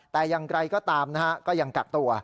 แต่อย่างไรก็ตามนะฮะก็ยังกักตัว